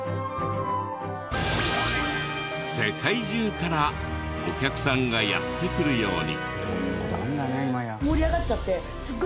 世界中からお客さんがやって来るように。